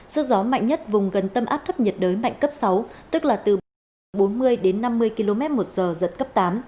sức gió mạnh nhất vùng gần tâm áp thấp nhiệt đới mạnh cấp sáu tức là từ sáu mươi tới bảy mươi năm km một giờ giật cấp một mươi một